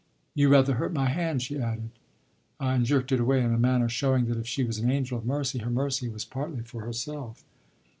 You rather hurt my hand," she added and jerked it away in a manner showing that if she was an angel of mercy her mercy was partly for herself.